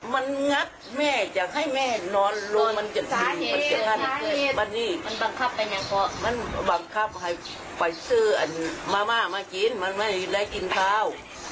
มันงัดแม่จะให้แม่นอนลุงมันจะดีมันบังคับให้ไปซื้อมาม่ามากินมันไม่ได้กินเท้า